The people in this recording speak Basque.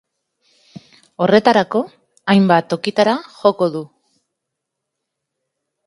Horretarako, hainbat tokitara joko du.